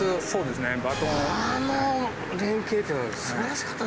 そうですね。